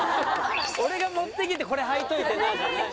俺が持ってきて「これはいといてな」じゃない。